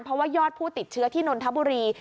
เพราะว่ายอดผู้ติดเชื้อที่นนทบุรี